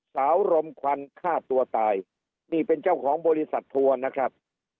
รมควันฆ่าตัวตายนี่เป็นเจ้าของบริษัททัวร์นะครับ